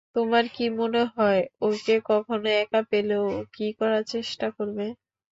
তোমার কী মনে হয় ওকে কখনও একা পেলে ও কী করার চেষ্টা করবে?